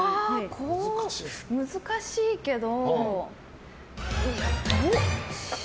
難しいけど。